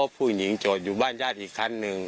ผู้หญิงจอดอยู่บ้านญาติอีกคันหนึ่ง